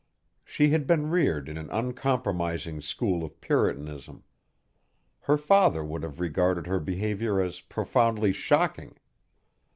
She had been reared in an uncompromising school of puritanism. Her father would have regarded her behavior as profoundly shocking.